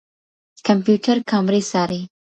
کمپيوټر کامرې څاري.